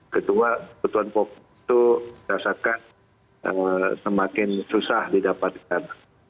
kedua kebutuhan pokok itu dirasakan semakin susah didapatkan